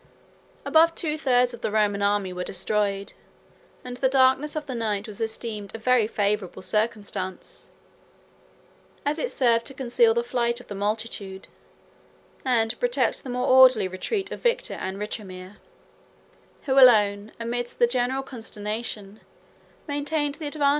Above two thirds of the Roman army were destroyed: and the darkness of the night was esteemed a very favorable circumstance, as it served to conceal the flight of the multitude, and to protect the more orderly retreat of Victor and Richomer, who alone, amidst the general consternation, maintained the advantage of calm courage and regular discipline.